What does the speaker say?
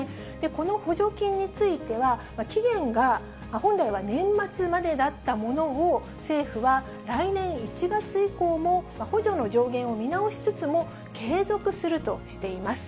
この補助金については、期限が本来は年末までだったものを、政府は来年１月以降も補助の上限を見直しつつも、継続するとしています。